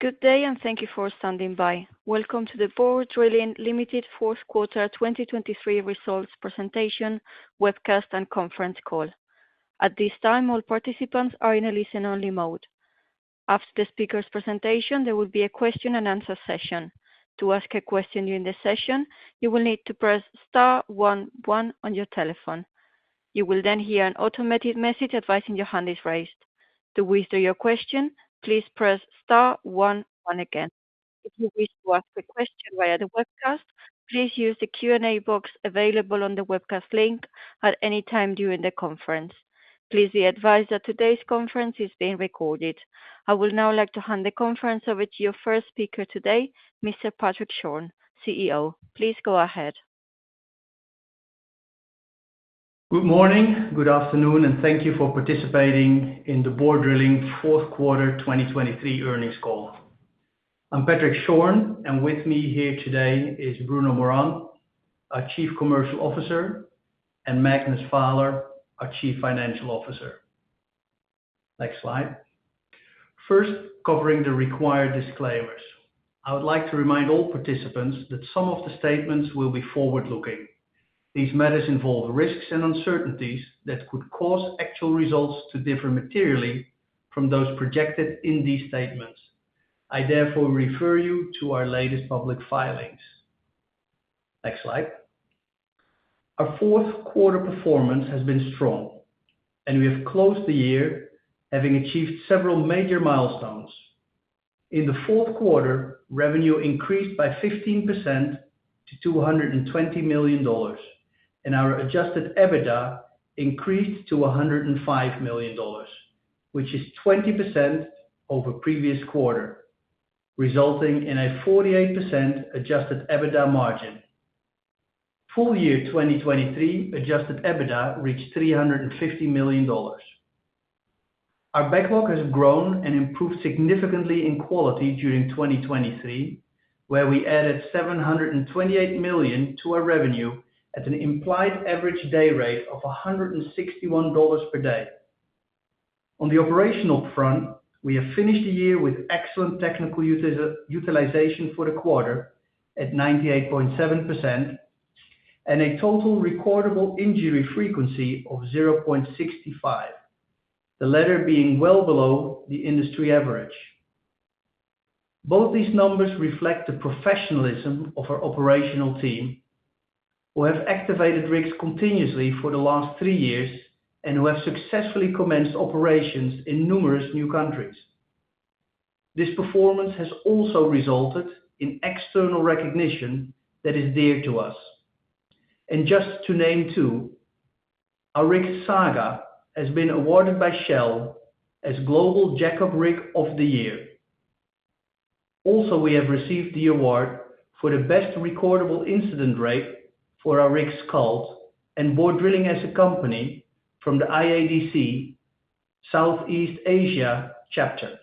Good day, and thank you for standing by. Welcome to the Borr Drilling Limited fourth quarter 2023 results presentation, webcast, and conference call. At this time, all participants are in a listen-only mode. After the speaker's presentation, there will be a question and answer session. To ask a question during the session, you will need to press star one one on your telephone. You will then hear an automated message advising your hand is raised. To withdraw your question, please press star one one again. If you wish to ask a question via the webcast, please use the Q&A box available on the webcast link at any time during the conference. Please be advised that today's conference is being recorded. I would now like to hand the conference over to your first speaker today, Mr. Patrick Schorn, CEO. Please go ahead. Good morning, good afternoon, and thank you for participating in the Borr Drilling fourth quarter 2023 earnings call. I'm Patrick Schorn, and with me here today is Bruno Morand, our Chief Commercial Officer, and Magnus Vaaler, our Chief Financial Officer. Next slide. First, covering the required disclaimers. I would like to remind all participants that some of the statements will be forward-looking. These matters involve risks and uncertainties that could cause actual results to differ materially from those projected in these statements. I therefore refer you to our latest public filings. Next slide. Our fourth quarter performance has been strong, and we have closed the year having achieved several major milestones. In the fourth quarter, revenue increased by 15% to $220 million, and our Adjusted EBITDA increased to $105 million, which is 20% over previous quarter, resulting in a 48% Adjusted EBITDA margin. Full year 2023 Adjusted EBITDA reached $350 million. Our backlog has grown and improved significantly in quality during 2023, where we added $728 million to our revenue at an implied average day rate of $161 per day. On the operational front, we have finished the year with excellent technical utilization for the quarter at 98.7% and a total recordable injury frequency of 0.65, the latter being well below the industry average. Both these numbers reflect the professionalism of our operational team, who have activated rigs continuously for the last three years and who have successfully commenced operations in numerous new countries. This performance has also resulted in external recognition that is dear to us. And just to name two, our rig Saga has been awarded by Shell as Global Jack-up Rig of the Year. Also, we have received the award for the best recordable incident rate for our rig Skuld and Borr Drilling as a company from the IADC, Southeast Asia Chapter.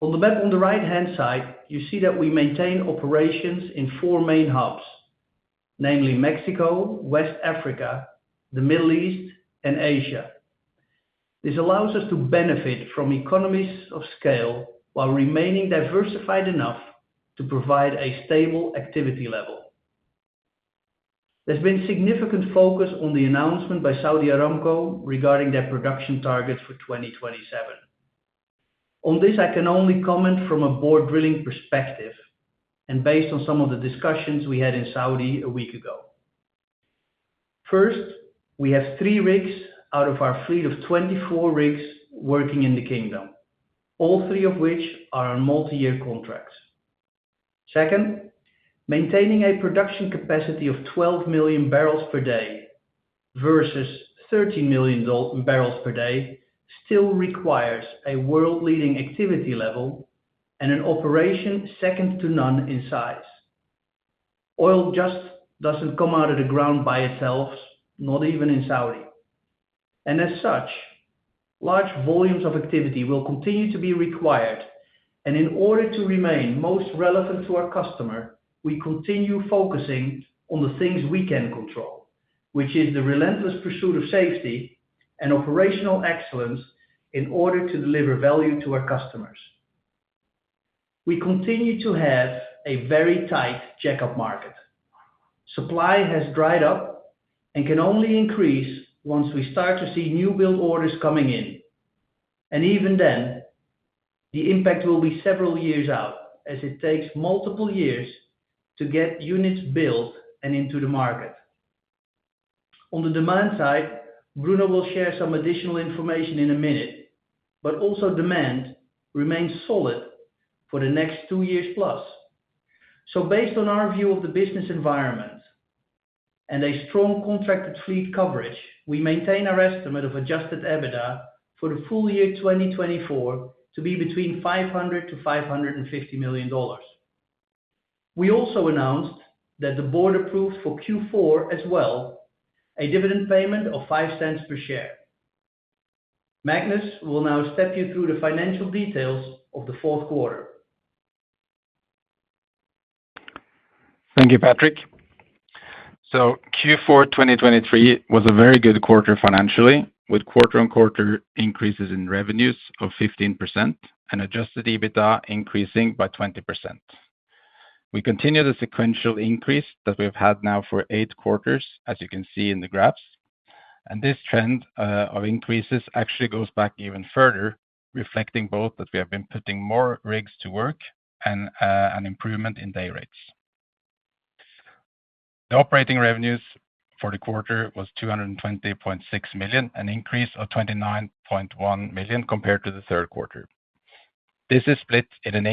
On the map on the right-hand side, you see that we maintain operations in four main hubs, namely Mexico, West Africa, the Middle East, and Asia. This allows us to benefit from economies of scale while remaining diversified enough to provide a stable activity level. There's been significant focus on the announcement by Saudi Aramco regarding their production targets for 2027. On this, I can only comment from a Borr Drilling perspective and based on some of the discussions we had in Saudi a week ago. First, we have 3 rigs out of our fleet of 24 rigs working in the Kingdom, all three of which are on multi-year contracts. Second, maintaining a production capacity of 12 million barrels per day versus 13 million barrels per day, still requires a world-leading activity level and an operation second to none in size. Oil just doesn't come out of the ground by itself, not even in Saudi. As such, large volumes of activity will continue to be required, and in order to remain most relevant to our customer, we continue focusing on the things we can control, which is the relentless pursuit of safety and operational excellence in order to deliver value to our customers. We continue to have a very tight jack-up market. Supply has dried up and can only increase once we start to see new build orders coming in. Even then, the impact will be several years out, as it takes multiple years to get units built and into the market. On the demand side, Bruno will share some additional information in a minute, but also demand remains solid for the next two years plus. So based on our view of the business environment and a strong contracted fleet coverage, we maintain our estimate of Adjusted EBITDA for the full year 2024 to be between $500 million-$550 million. We also announced that the board approved for Q4 as well, a dividend payment of $0.05 per share. Magnus will now step you through the financial details of the fourth quarter. Thank you, Patrick. So Q4 2023 was a very good quarter financially, with quarter-on-quarter increases in revenues of 15% and Adjusted EBITDA increasing by 20%. We continue the sequential increase that we've had now for 8 quarters, as you can see in the graphs, and this trend of increases actually goes back even further, reflecting both that we have been putting more rigs to work and an improvement in day rates. The operating revenues for the quarter was $220.6 million, an increase of $29.1 million compared to the third quarter. This is split in an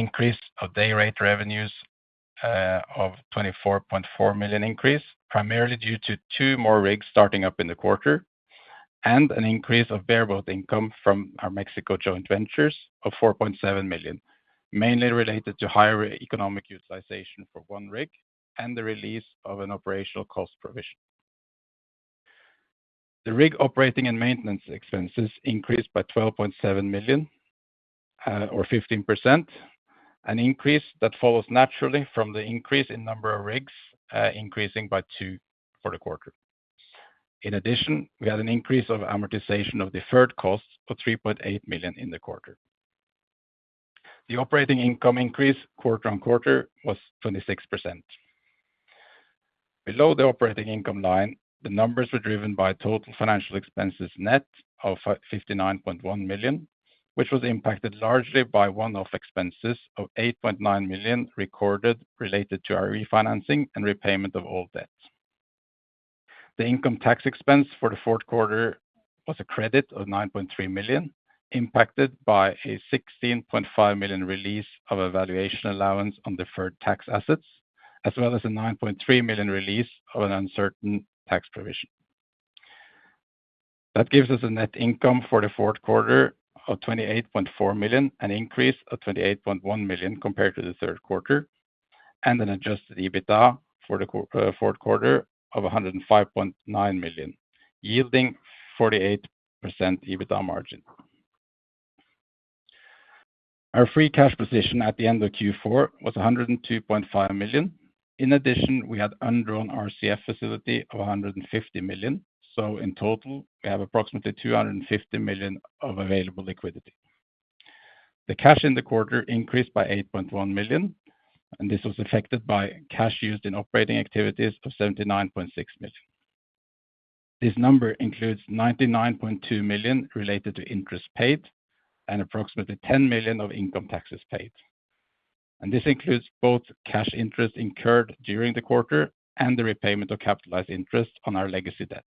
increase of day rate revenues of $24.4 million increase, primarily due to two more rigs starting up in the quarter, and an increase of bareboat income from our Mexico joint ventures of $4.7 million, mainly related to higher economic utilization for one rig and the release of an operational cost provision. The rig operating and maintenance expenses increased by $12.7 million, or 15%, an increase that follows naturally from the increase in number of rigs increasing by two for the quarter. In addition, we had an increase of amortization of deferred costs of $3.8 million in the quarter. The operating income increase quarter-on-quarter was 26%. Below the operating income line, the numbers were driven by total financial expenses net of $59.1 million, which was impacted largely by one-off expenses of $8.9 million recorded related to our refinancing and repayment of all debts. The income tax expense for the fourth quarter was a credit of $9.3 million, impacted by a $16.5 million release of a valuation allowance on deferred tax assets, as well as a $9.3 million release of an uncertain tax provision. That gives us a net income for the fourth quarter of $28.4 million, an increase of $28.1 million compared to the third quarter, and an Adjusted EBITDA for the fourth quarter of $105.9 million, yielding 48% EBITDA margin. Our free cash position at the end of Q4 was $102.5 million. In addition, we had undrawn RCF facility of $150 million. So in total, we have approximately $250 million of available liquidity. The cash in the quarter increased by $8.1 million, and this was affected by cash used in operating activities of $79.6 million. This number includes $99.2 million related to interest paid and approximately $10 million of income taxes paid. And this includes both cash interest incurred during the quarter and the repayment of capitalized interest on our legacy debt.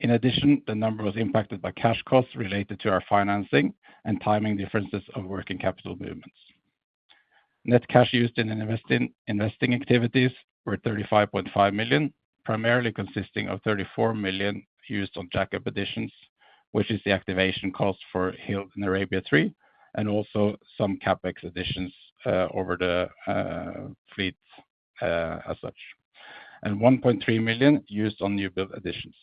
In addition, the number was impacted by cash costs related to our financing and timing differences of working capital movements. Net cash used in investing activities were $35.5 million, primarily consisting of $34 million used on jackup additions, which is the activation cost for Hild and Arabia III, and also some CapEx additions over the fleets as such, and $1.3 million used on new build additions.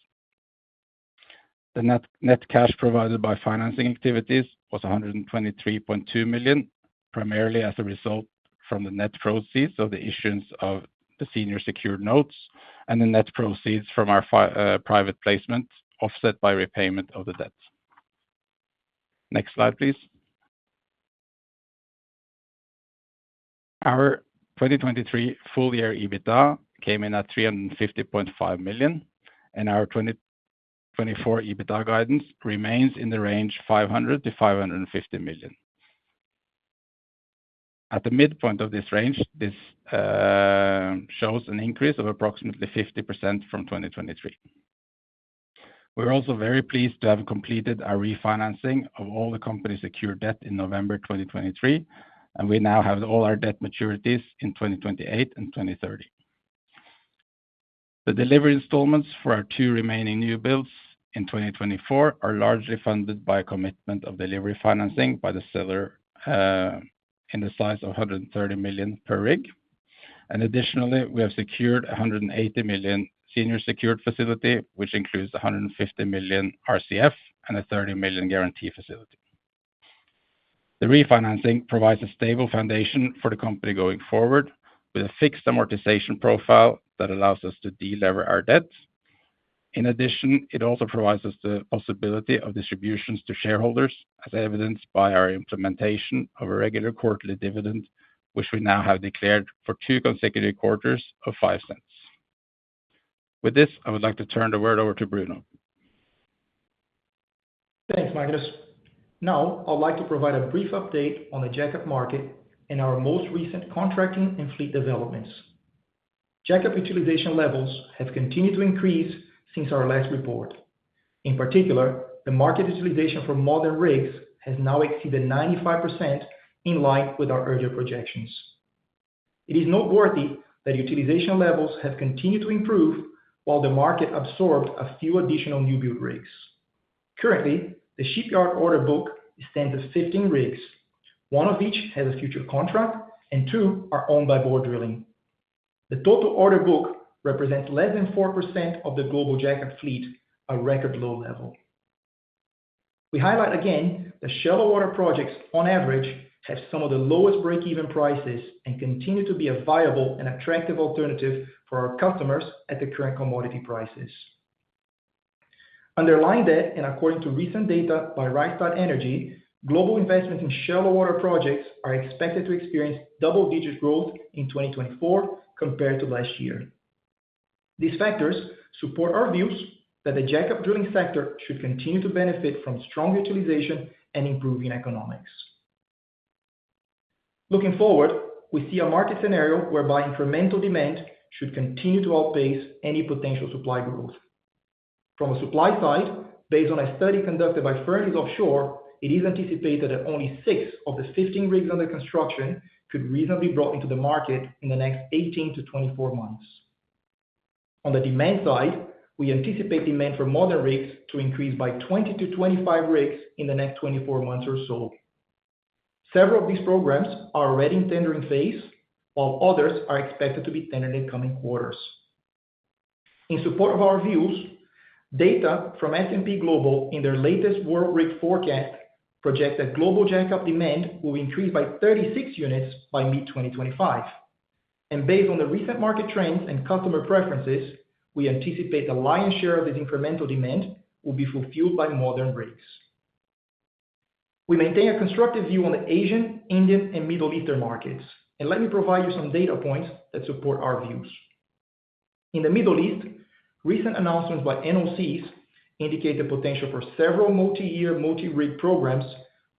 The net cash provided by financing activities was $123.2 million, primarily as a result from the net proceeds of the issuance of the senior secured notes and the net proceeds from our private placement, offset by repayment of the debt. Next slide, please. Our 2023 full year EBITDA came in at $350.5 million, and our 2024 EBITDA guidance remains in the range $500 million-$550 million. At the midpoint of this range, this shows an increase of approximately 50% from 2023. We're also very pleased to have completed our refinancing of all the company's secure debt in November 2023, and we now have all our debt maturities in 2028 and 2030. The delivery installments for our two remaining new builds in 2024 are largely funded by a commitment of delivery financing by the seller in the size of $130 million per rig. Additionally, we have secured a $180 million senior secured facility, which includes a $150 million RCF and a $30 million guarantee facility. The refinancing provides a stable foundation for the company going forward, with a fixed amortization profile that allows us to delever our debts. In addition, it also provides us the possibility of distributions to shareholders, as evidenced by our implementation of a regular quarterly dividend, which we now have declared for two consecutive quarters of $0.05. With this, I would like to turn the floor over to Bruno. Thanks, Magnus. Now, I'd like to provide a brief update on the jack-up market and our most recent contracting and fleet developments. Jack-up utilization levels have continued to increase since our last report. In particular, the market utilization for modern rigs has now exceeded 95%, in line with our earlier projections. It is noteworthy that utilization levels have continued to improve while the market absorbed a few additional new build rigs. Currently, the shipyard order book stands at 15 rigs. One of each has a future contract and two are owned by Borr Drilling. The total order book represents less than 4% of the global jack-up fleet, a record low level. We highlight again that shallow water projects on average, have some of the lowest break-even prices and continue to be a viable and attractive alternative for our customers at the current commodity prices. Underlying that, and according to recent data by Rystad Energy, global investment in shallow water projects are expected to experience double-digit growth in 2024 compared to last year. These factors support our views that the jackup drilling sector should continue to benefit from strong utilization and improving economics. Looking forward, we see a market scenario whereby incremental demand should continue to outpace any potential supply growth. From a supply side, based on a study conducted by Fearnley Offshore, it is anticipated that only 6 of the 15 rigs under construction could reasonably be brought into the market in the next 18-24 months. On the demand side, we anticipate demand for modern rigs to increase by 20-25 rigs in the next 24 months or so. Several of these programs are already in tendering phase, while others are expected to be tendered in coming quarters. In support of our views, data from S&P Global in their latest World Rig Forecast project that global jackup demand will increase by 36 units by mid-2025, and based on the recent market trends and customer preferences, we anticipate the lion's share of this incremental demand will be fulfilled by modern rigs. We maintain a constructive view on the Asian, Indian, and Middle Eastern markets, and let me provide you some data points that support our views. In the Middle East, recent announcements by NOCs indicate the potential for several multi-year, multi-rig programs,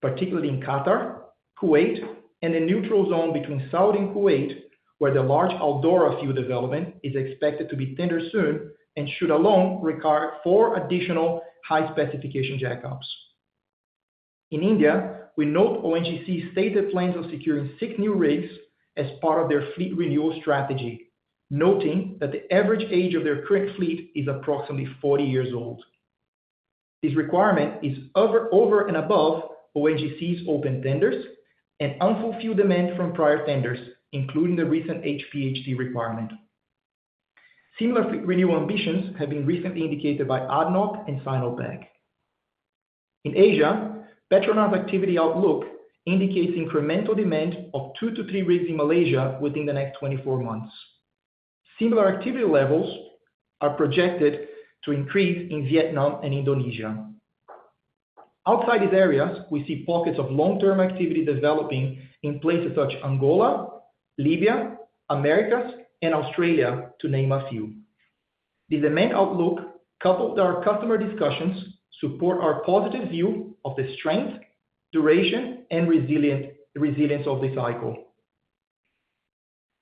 particularly in Qatar, Kuwait, and the Neutral Zone between Saudi and Kuwait, where the large Al-Dorra field development is expected to be tendered soon and should alone require four additional high-specification jackups. In India, we note ONGC stated plans of securing 6 new rigs as part of their fleet renewal strategy, noting that the average age of their current fleet is approximately 40 years old. This requirement is over and above ONGC's open tenders and unfulfilled demand from prior tenders, including the recent HPHT requirement. Similar fleet renewal ambitions have been recently indicated by ADNOC and Sinopec. In Asia, Petronas activity outlook indicates incremental demand of 2-3 rigs in Malaysia within the next 24 months. Similar activity levels are projected to increase in Vietnam and Indonesia. Outside these areas, we see pockets of long-term activity developing in places such as Angola, Libya, Americas, and Australia, to name a few. The demand outlook, coupled with our customer discussions, support our positive view of the strength, duration, and resilience of the cycle.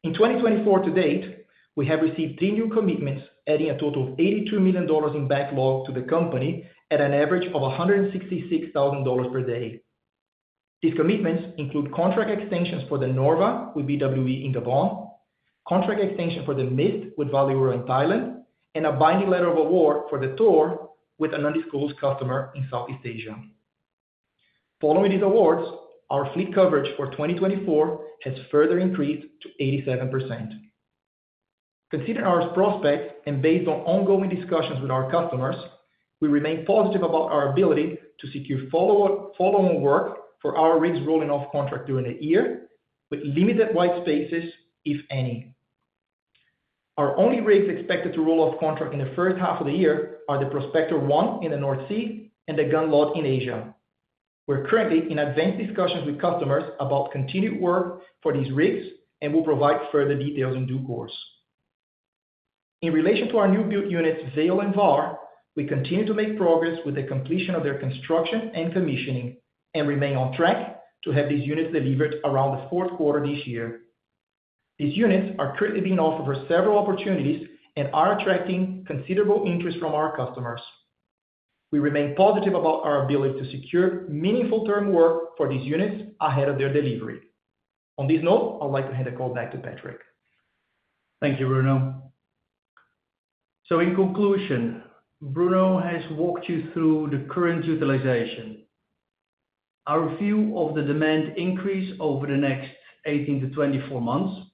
In 2024 to date, we have received 3 new commitments, adding a total of $82 million in backlog to the company at an average of $166,000 per day. These commitments include contract extensions for the Norve with BWE in Gabon, contract extension for the Mist with Valeura in Thailand, and a binding letter of award for the Thor with an undisclosed customer in Southeast Asia. Following these awards, our fleet coverage for 2024 has further increased to 87%. Considering our prospects and based on ongoing discussions with our customers, we remain positive about our ability to secure follow-up, follow-on work for our rigs rolling off contract during the year, with limited white spaces, if any. Our only rigs expected to roll off contract in the first half of the year are the Prospector 1 in the North Sea and the Gunnlod in Asia. We're currently in advanced discussions with customers about continued work for these rigs, and we'll provide further details in due course. In relation to our new build units, Vale and Var, we continue to make progress with the completion of their construction and commissioning, and remain on track to have these units delivered around the fourth quarter this year. These units are currently being offered for several opportunities and are attracting considerable interest from our customers. We remain positive about our ability to secure meaningful term work for these units ahead of their delivery. On this note, I'd like to hand the call back to Patrick. Thank you, Bruno. So in conclusion, Bruno has walked you through the current utilization. Our view of the demand increase over the next 18-24 months,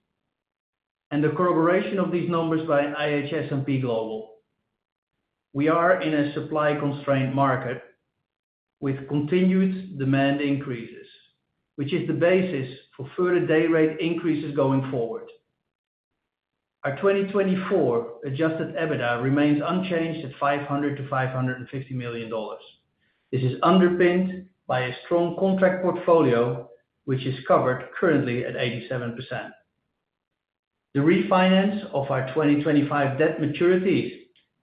and the corroboration of these numbers by IHS and S&P Global. We are in a supply-constrained market with continued demand increases, which is the basis for further day rate increases going forward. Our 2024 Adjusted EBITDA remains unchanged at $500 million-$550 million. This is underpinned by a strong contract portfolio, which is covered currently at 87%. The refinance of our 2025 debt maturities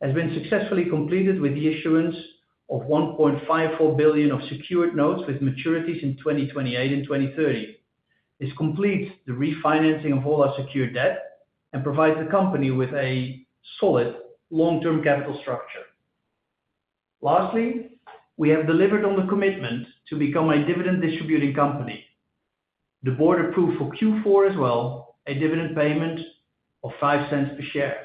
has been successfully completed with the issuance of $1.54 billion of secured notes with maturities in 2028 and 2030. This completes the refinancing of all our secured debt and provides the company with a solid long-term capital structure. Lastly, we have delivered on the commitment to become a dividend distributing company. The board approved for Q4 as well, a dividend payment of $0.05 per share.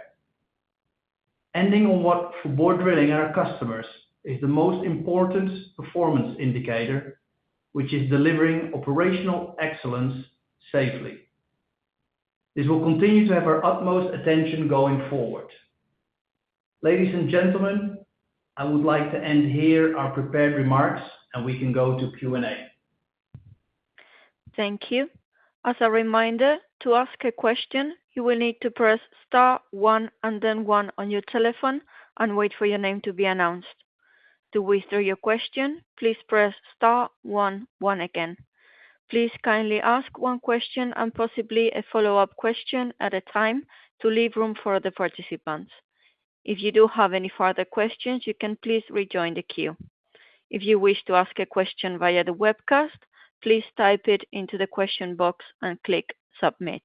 Ending on what, for Borr Drilling, our customers is the most important performance indicator, which is delivering operational excellence safely. This will continue to have our utmost attention going forward. Ladies and gentlemen, I would like to end here our prepared remarks, and we can go to Q&A. Thank you. As a reminder, to ask a question, you will need to press star one and then one on your telephone and wait for your name to be announced. To withdraw your question, please press star one, one again. Please kindly ask one question and possibly a follow-up question at a time to leave room for other participants. If you do have any further questions, you can please rejoin the queue. If you wish to ask a question via the webcast, please type it into the question box and click submit.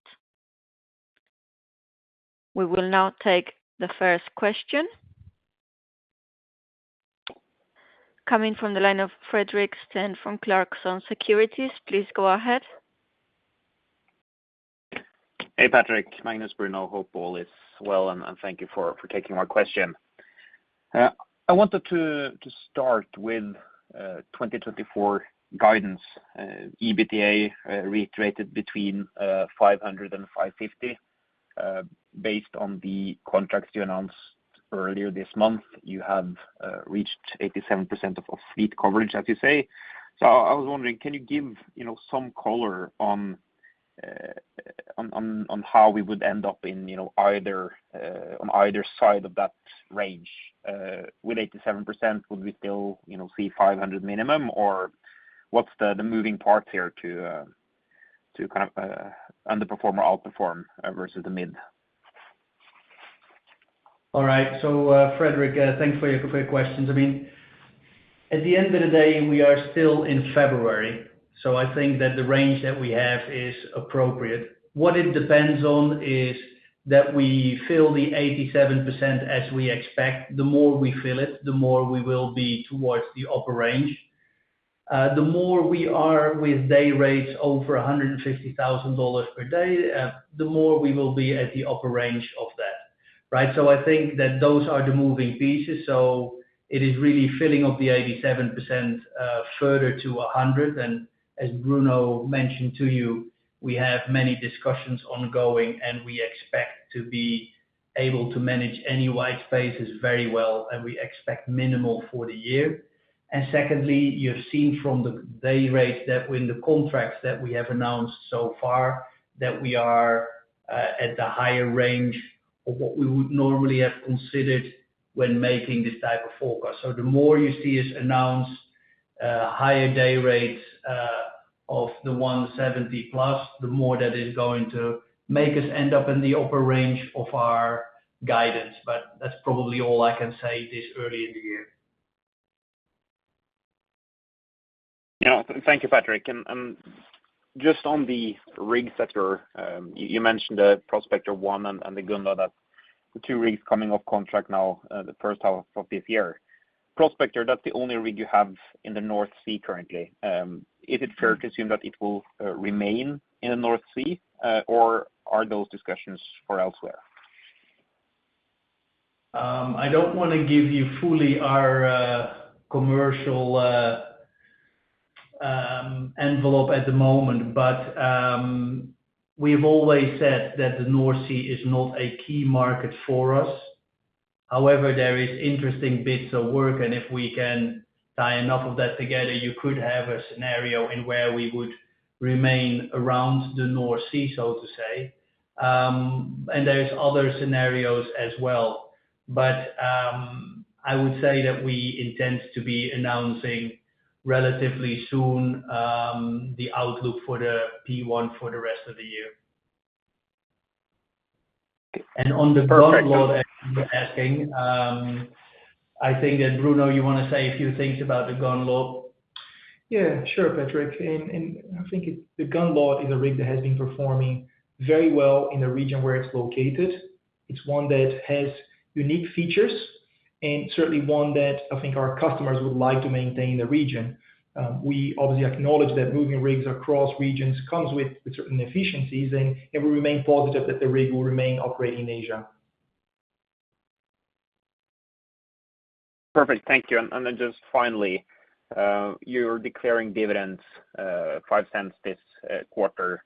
We will now take the first question. Coming from the line of Fredrik Stene from Clarksons Securities, please go ahead. Hey, Patrick. Magnus, Bruno, hope all is well, and thank you for taking my question. I wanted to start with 2024 guidance, EBITDA reiterated between $500 million and $550 million. Based on the contracts you announced earlier this month, you have reached 87% of fleet coverage, as you say. So I was wondering, can you give, you know, some color on how we would end up in, you know, either on either side of that range? With 87%, would we still, you know, see $500 million minimum, or what's the moving parts here to kind of underperform or outperform versus the mid? All right. So, Fredrik, thanks for your questions. I mean, at the end of the day, we are still in February, so I think that the range that we have is appropriate. What it depends on is that we fill the 87% as we expect. The more we fill it, the more we will be towards the upper range. The more we are with day rates over $150,000 per day, the more we will be at the upper range of that, right? So I think that those are the moving pieces. So it is really filling up the 87%, further to 100. And as Bruno mentioned to you, we have many discussions ongoing, and we expect to be able to manage any white spaces very well, and we expect minimal for the year. Secondly, you've seen from the day rates that when the contracts that we have announced so far, that we are at the higher range of what we would normally have considered when making this type of forecast. So the more you see us announce higher day rates of the $170+, the more that is going to make us end up in the upper range of our guidance. But that's probably all I can say this early in the year. Yeah. Thank you, Patrick. And just on the rig sector, you mentioned the Prospector 1 and the Gunnlod, that the two rigs coming off contract now, the first half of this year. Prospector, that's the only rig you have in the North Sea currently. Is it fair to assume that it will remain in the North Sea, or are those discussions for elsewhere? I don't want to give you fully our commercial envelope at the moment, but we've always said that the North Sea is not a key market for us. However, there is interesting bits of work, and if we can tie enough of that together, you could have a scenario in where we would remain around the North Sea, so to say. And there is other scenarios as well. But I would say that we intend to be announcing relatively soon the outlook for the P1 for the rest of the year. And on the- Gunnlod, you were asking. I think that, Bruno, you want to say a few things about the Gunnlod? Yeah, sure, Patrick. I think it, the Gunnlod is a rig that has been performing very well in the region where it's located. It's one that has unique features and certainly one that I think our customers would like to maintain in the region. We obviously acknowledge that moving rigs across regions comes with certain efficiencies, and we remain positive that the rig will remain operating in Asia. Perfect. Thank you. And then just finally, you're declaring dividends, $0.05 this quarter.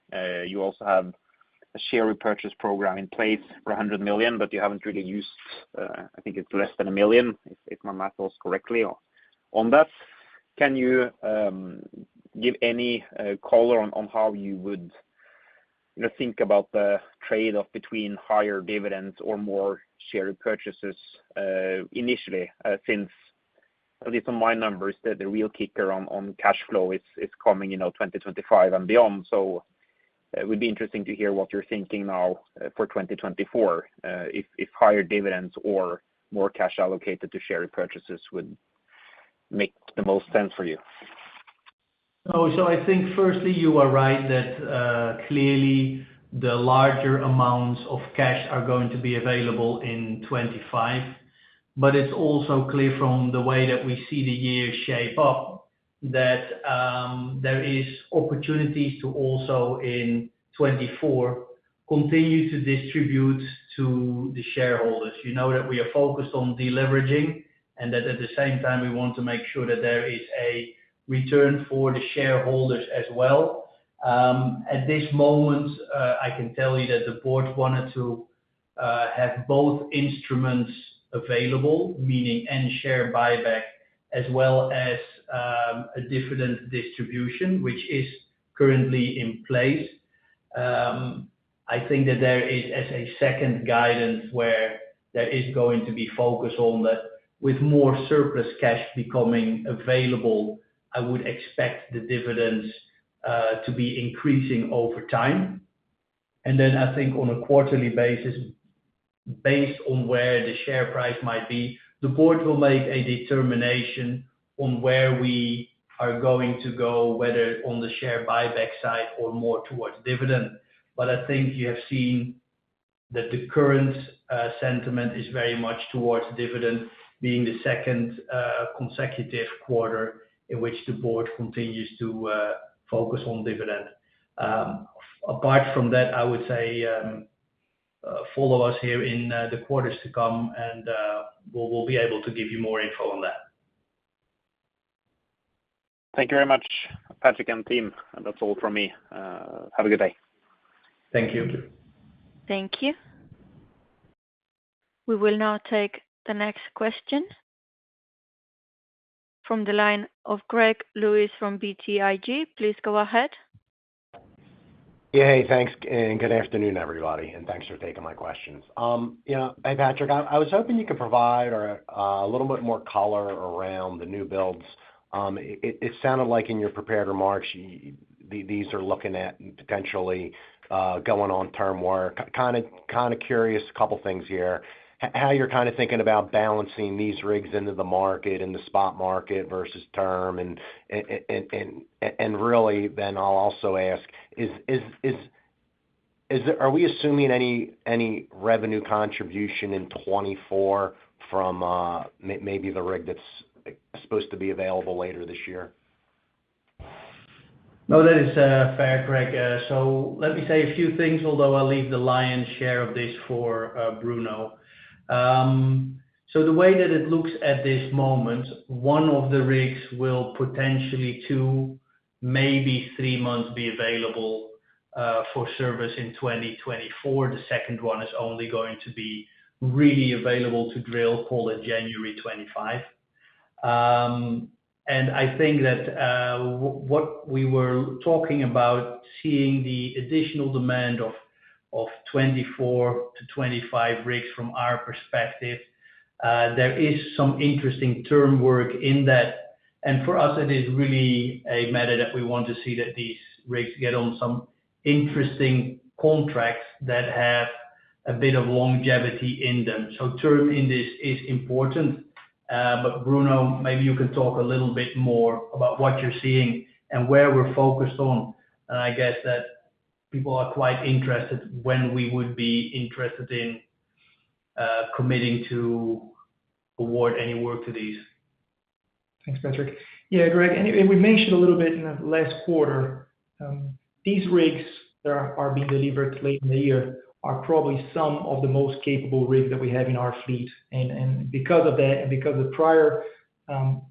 You also have a share repurchase program in place for $100 million, but you haven't really used, I think it's less than $1 million, if my math goes correctly on that. Can you give any color on how you would, you know, think about the trade-off between higher dividends or more share repurchases, initially, since at least on my numbers, the real kicker on cash flow is coming, you know, 2025 and beyond. So it would be interesting to hear what you're thinking now for 2024, if higher dividends or more cash allocated to share repurchases would make the most sense for you? So, I think firstly, you are right that, clearly, the larger amounts of cash are going to be available in 2025. But it's also clear from the way that we see the year shape up, that, there is opportunities to also in 2024, continue to distribute to the shareholders. You know, that we are focused on deleveraging, and that at the same time, we want to make sure that there is a return for the shareholders as well. At this moment, I can tell you that the board wanted to, have both instruments available, meaning any share buyback as well as, a dividend distribution, which is currently in place. I think that there is, as a second guidance, where there is going to be focus on that. With more surplus cash becoming available, I would expect the dividends to be increasing over time. Then I think on a quarterly basis, based on where the share price might be, the board will make a determination on where we are going to go, whether on the share buyback side or more towards dividend. But I think you have seen that the current sentiment is very much towards dividend being the second consecutive quarter in which the board continues to focus on dividend. Apart from that, I would say, follow us here in the quarters to come, and we'll be able to give you more info on that. Thank you very much, Patrick and team. That's all from me. Have a good day. Thank you. Thank you. We will now take the next question from the line of Greg Lewis, from BTIG. Please go ahead. Yeah, hey. Thanks, and good afternoon, everybody, and thanks for taking my questions. You know, hey, Patrick, I was hoping you could provide a little bit more color around the new builds. It sounded like in your prepared remarks, these are looking at potentially going on term work. Kinda curious, a couple things here. How you're kinda thinking about balancing these rigs into the market, in the spot market versus term, and really, then I'll also ask, are we assuming any revenue contribution in 2024 from maybe the rig that's supposed to be available later this year? No, that is fair, Greg. So let me say a few things, although I'll leave the lion's share of this for Bruno. So the way that it looks at this moment, one of the rigs will potentially two, maybe three months, be available for service in 2024. The second one is only going to be really available to drill, call it January 2025. And I think that what we were talking about, seeing the additional demand of 24-25 rigs from our perspective, there is some interesting term work in that. And for us, it is really a matter that we want to see that these rigs get on some interesting contracts that have a bit of longevity in them. So, timing in this is important, but Bruno, maybe you can talk a little bit more about what you're seeing and where we're focused on. And I guess that people are quite interested when we would be interested in committing to award any work to these. Thanks, Patrick. Yeah, Greg, and we mentioned a little bit in the last quarter, these rigs that are being delivered late in the year are probably some of the most capable rigs that we have in our fleet. And because of that, because of the prior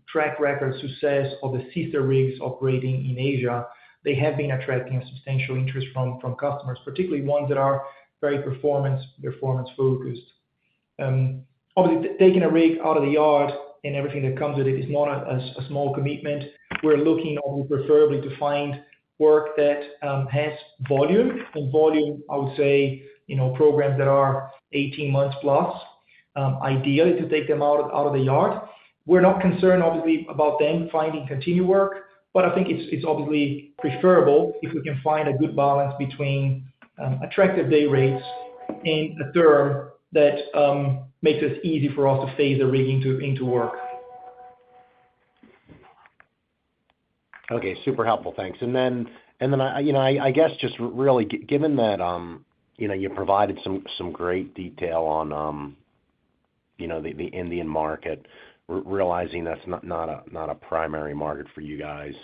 track record success of the sister rigs operating in Asia, they have been attracting substantial interest from customers, particularly ones that are very performance-focused. Obviously, taking a rig out of the yard and everything that comes with it is not a small commitment. We're looking, obviously, preferably to find work that has volume. And volume, I would say, you know, programs that are 18 months plus, ideally, to take them out of the yard. We're not concerned, obviously, about them finding continued work, but I think it's obviously preferable if we can find a good balance between attractive day rates and a term that makes it easy for us to phase the rig into work. Okay, super helpful. Thanks. And then, you know, I guess just really given that, you know, you provided some great detail on, you know, the Indian market, realizing that's not a primary market for you guys.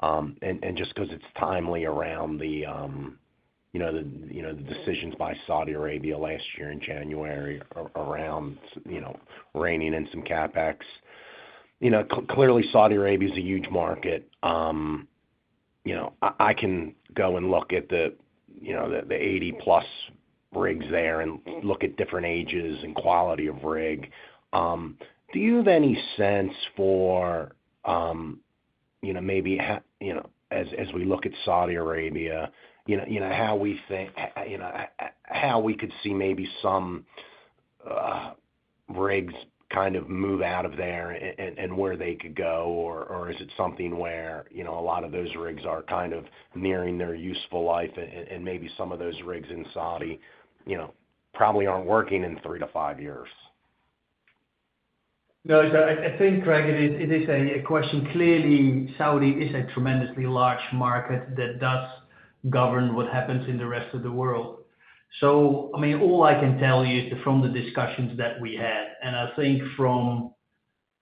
And just 'cause it's timely around the, you know, the decisions by Saudi Arabia last year in January, around, you know, reining in some CapEx. You know, clearly, Saudi Arabia is a huge market. You know, I can go and look at the, you know, the 80+ rigs there and look at different ages and quality of rig. Do you have any sense for, you know, maybe you know, as we look at Saudi Arabia, you know, how we think. You know, how we could see maybe some rigs kind of move out of there and where they could go? Or is it something where, you know, a lot of those rigs are kind of nearing their useful life and maybe some of those rigs in Saudi, you know, probably aren't working in 3-5 years? No, so I think, Greg, it is a question. Clearly, Saudi is a tremendously large market that does govern what happens in the rest of the world. So, I mean, all I can tell you from the discussions that we had, and I think from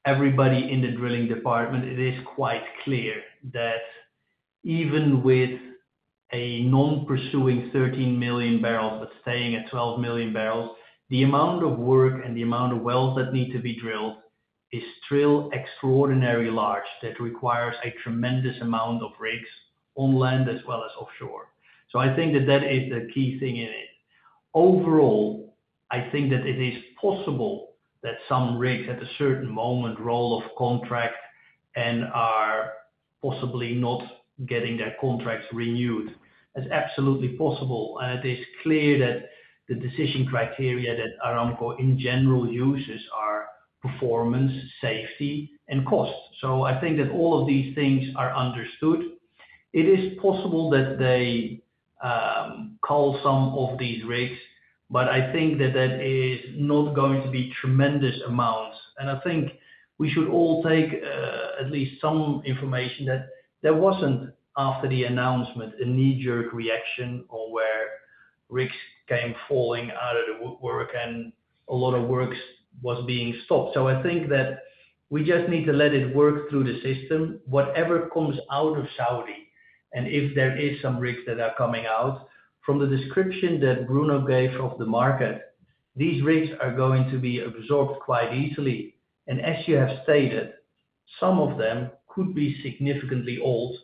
everybody in the drilling department, it is quite clear that even with a non-pursuing 13 million barrels, but staying at 12 million barrels, the amount of work and the amount of wells that need to be drilled is still extraordinarily large. That requires a tremendous amount of rigs on land as well as offshore. So I think that that is the key thing in it. Overall, I think that it is possible that some rigs, at a certain moment, roll of contract and are possibly not getting their contracts renewed. It's absolutely possible, and it is clear that the decision criteria that Aramco, in general, uses are performance, safety, and cost. So I think that all of these things are understood. It is possible that they call some of these rigs, but I think that that is not going to be tremendous amounts. And I think we should all take at least some information that there wasn't, after the announcement, a knee-jerk reaction on where rigs came falling out of the woodwork and a lot of works was being stopped. So I think that we just need to let it work through the system. Whatever comes out of Saudi, and if there is some rigs that are coming out, from the description that Bruno gave of the market, these rigs are going to be absorbed quite easily. As you have stated, some of them could be significantly old,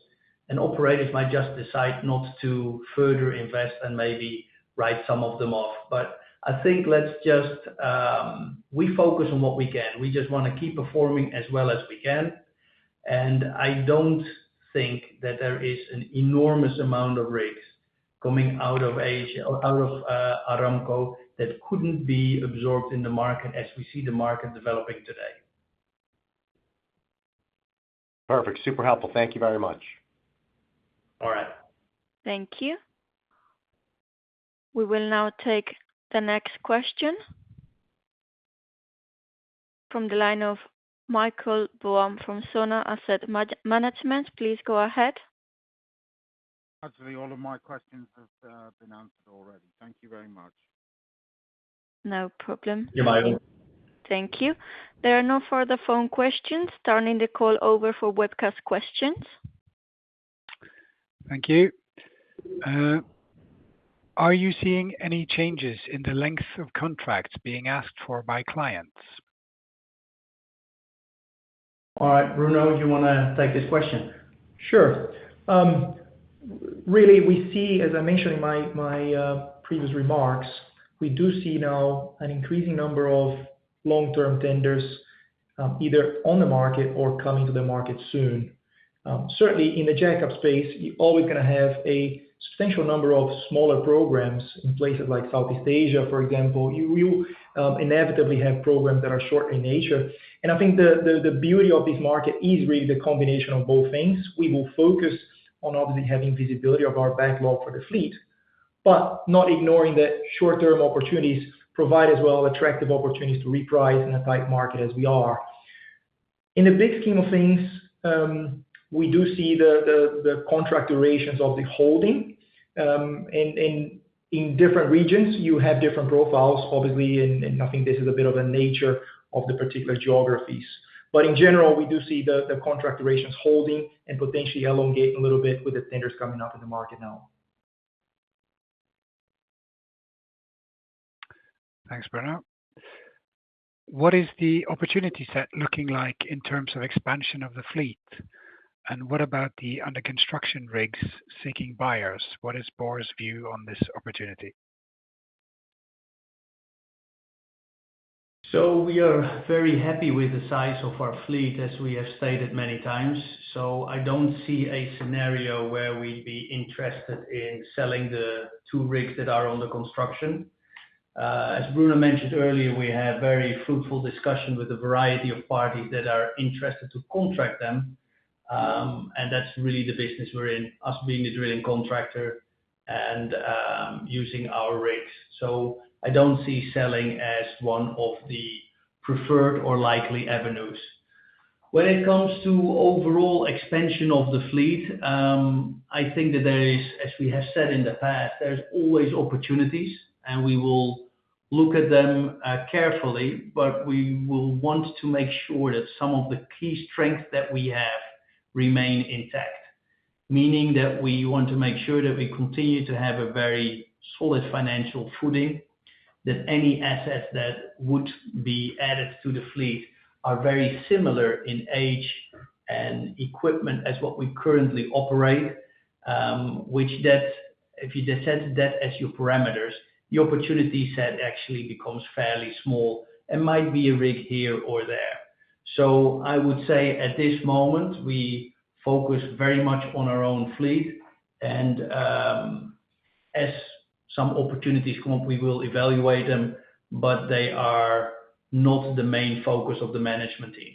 and operators might just decide not to further invest and maybe write some of them off. But I think let's just, we focus on what we can. We just wanna keep performing as well as we can, and I don't think that there is an enormous amount of rigs coming out of Asia, or out of, Aramco, that couldn't be absorbed in the market as we see the market developing today. Perfect. Super helpful. Thank you very much. All right. Thank you. We will now take the next question from the line of Michael Boam from Sona Asset Management. Please go ahead. Actually, all of my questions have been answered already. Thank you very much. No problem. You're welcome. Thank you. There are no further phone questions. Turning the call over for webcast questions. Thank you. Are you seeing any changes in the length of contracts being asked for by clients? All right, Bruno, do you wanna take this question? Sure. Really, we see, as I mentioned in my previous remarks, we do see now an increasing number of long-term tenders, either on the market or coming to the market soon. Certainly, in the jackup space, you're always gonna have a substantial number of smaller programs. In places like Southeast Asia, for example, you inevitably have programs that are short in nature. And I think the beauty of this market is really the combination of both things. We will focus on obviously having visibility of our backlog for the fleet, but not ignoring the short-term opportunities, provide as well attractive opportunities to reprice in a tight market as we are. In the big scheme of things, we do see the contract durations of the holding. And in different regions, you have different profiles, obviously, and I think this is a bit of a nature of the particular geographies. But in general, we do see the contract durations holding and potentially elongating a little bit with the tenders coming up in the market now. Thanks, Bruno. What is the opportunity set looking like in terms of expansion of the fleet? And what about the under construction rigs seeking buyers? What is Borr's view on this opportunity? So we are very happy with the size of our fleet, as we have stated many times. So I don't see a scenario where we'd be interested in selling the two rigs that are under construction. As Bruno mentioned earlier, we have very fruitful discussion with a variety of parties that are interested to contract them. And that's really the business we're in, us being a drilling contractor and using our rigs. So I don't see selling as one of the preferred or likely avenues. When it comes to overall expansion of the fleet, I think that there is, as we have said in the past, there's always opportunities, and we will look at them carefully, but we will want to make sure that some of the key strengths that we have remain intact. Meaning that we want to make sure that we continue to have a very solid financial footing, that any assets that would be added to the fleet are very similar in age and equipment as what we currently operate, which, if you just set that as your parameters, your opportunity set actually becomes fairly small, and might be a rig here or there. So I would say at this moment, we focus very much on our own fleet and, as some opportunities come up, we will evaluate them, but they are not the main focus of the management team.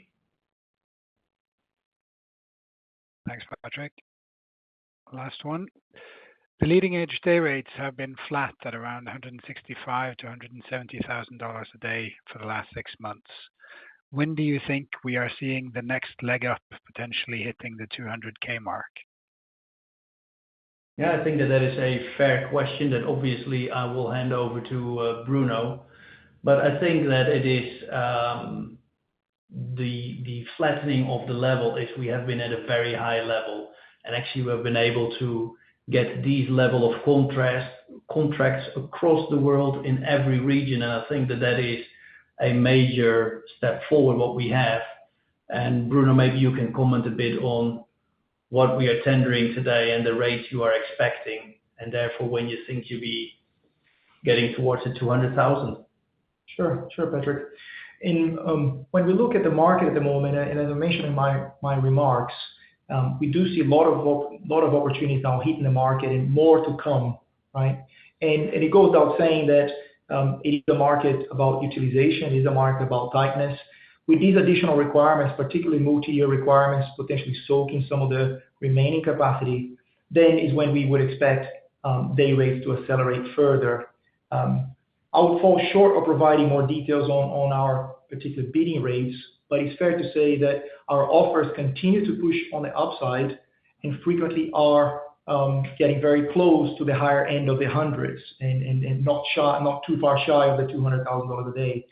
Thanks, Patrick. Last one: The leading-edge day rates have been flat at around $165,000-$170,000 a day for the last six months. When do you think we are seeing the next leg up, potentially hitting the $200K mark? Yeah, I think that that is a fair question that obviously I will hand over to Bruno. But I think that it is the flattening of the level is we have been at a very high level, and actually we have been able to get these level of contracts across the world in every region. And I think that that is a major step forward, what we have. And Bruno, maybe you can comment a bit on what we are tendering today and the rates you are expecting, and therefore when you think you'll be getting towards the $200,000. Sure. Sure, Patrick. In, when we look at the market at the moment, and as I mentioned in my remarks, we do see a lot of lot of opportunities now hitting the market and more to come, right? And it goes without saying that, it is a market about utilization, it is a market about tightness. With these additional requirements, particularly multi-year requirements, potentially soaking some of the remaining capacity, then is when we would expect, day rates to accelerate further. I'll fall short of providing more details on our particular bidding rates, but it's fair to say that our offers continue to push on the upside and frequently are getting very close to the higher end of the hundreds and not too far shy of the $200,000 a day.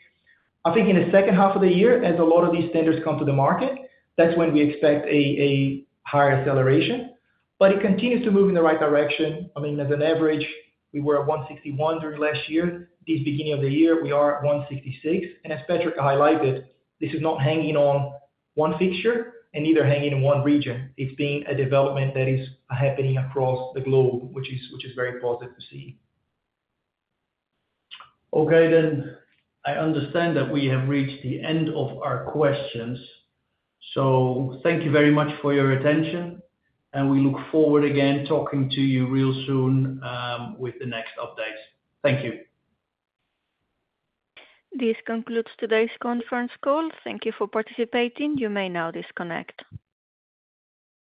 I think in the second half of the year, as a lot of these tenders come to the market, that's when we expect a higher acceleration, but it continues to move in the right direction. I mean, as an average, we were at $161 during last year. This beginning of the year, we are at $166, and as Patrick highlighted, this is not hanging on one fixture and neither hanging in one region. It's been a development that is happening across the globe, which is very positive to see. Okay, then. I understand that we have reached the end of our questions, so thank you very much for your attention, and we look forward again, talking to you real soon, with the next update. Thank you. This concludes today's conference call. Thank you for participating. You may now disconnect.